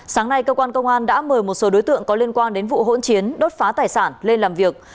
sáng nay cơ quan công an đã mời một số đối tượng có liên quan đến vụ hỗn chiến đốt phá tài sản lên làm việc